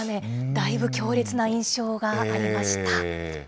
だいぶ強烈な印象がありました。